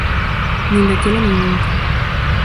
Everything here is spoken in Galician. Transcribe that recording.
Nin daquela, nin nunca.